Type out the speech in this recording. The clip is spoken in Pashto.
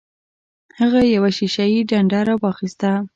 هغه یوه شیشه یي ډنډه راواخیسته.